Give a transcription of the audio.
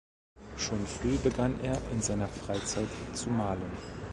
Schon früh begann er, in seiner Freizeit zu malen.